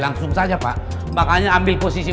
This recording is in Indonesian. langsung saja pak makanya ambil posisi